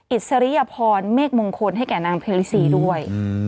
อิสริยพรเมฆมงคลให้แก่นางเพลิซีด้วย